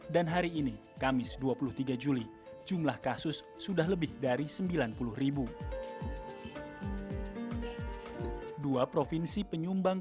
dua provinsi penyumbang